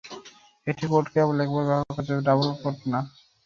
একটি কোড কেবল একবার ব্যাবহার করা যাবে ডাবল কোড বলো?